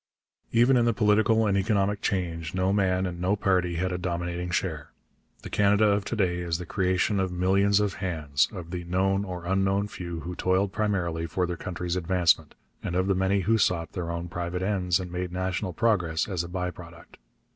Even in the political and economic change no man and no party had a dominating share. The Canada of to day is the creation of millions of hands, of the known or unknown few who toiled primarily for their country's advancement, and of the many who sought their own private ends and made national progress as a by product.